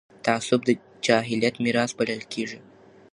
تعصب د جاهلیت میراث بلل کېږي